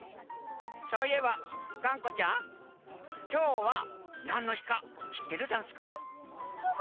そういえばがんこちゃんきょうはなんのひかしってるざんすか？